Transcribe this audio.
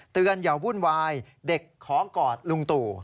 อย่าวุ่นวายเด็กขอกอดลุงตู่